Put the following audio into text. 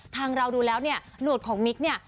ทางเราดูแล้วเนี่ยหนวดของมิกเนี่ย